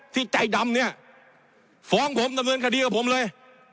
ที่ใจดำเนี่ยฟ้องผมดำเนินคดีกับผมเลย